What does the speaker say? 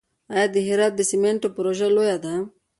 آیا د هرات د سمنټو پروژه لویه ده؟